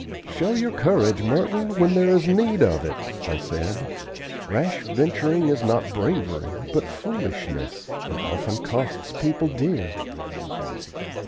"Show your courage, Merton, when there is need of it," I said. "Rash venturing is not bravery, but foolishness, and often costs people dear."